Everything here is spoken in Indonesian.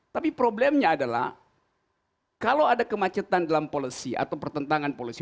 tapi problemnya adalah kalau ada kemacetan dalam policy atau pertentangan polisi